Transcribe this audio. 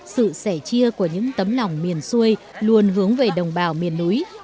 sự sẻ chia của những tấm lòng miền xuôi luôn hướng về đồng bào miền núi